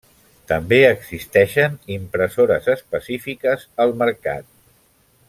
També existeixen impressores específiques al mercat.